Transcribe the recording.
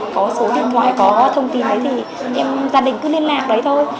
có số điện thoại có thông tin đấy thì gia đình cứ liên lạc đấy thôi